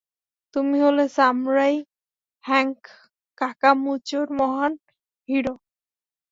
তুমি হলে samurai Hank, কাকামুচোর মহান হিরো!